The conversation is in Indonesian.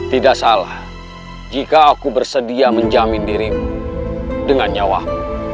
tidak salah jika aku bersedia menjamin dirimu dengan nyawamu